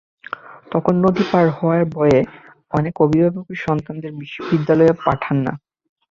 তখন নদী পার হওয়ার ভয়ে অনেক অভিভাবকই সন্তানদের বিদ্যালয়ে পাঠান না।